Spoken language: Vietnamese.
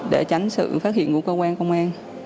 để tránh sự phát hiện của cơ quan công an